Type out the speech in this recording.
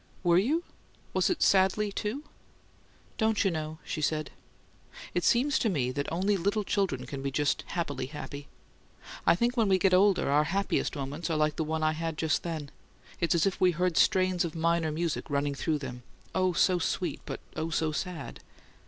"Were you? Was it 'sadly,' too?" "Don't you know?" she said. "It seems to me that only little children can be just happily happy. I think when we get older our happiest moments are like the one I had just then: it's as if we heard strains of minor music running through them oh, so sweet, but oh, so sad!"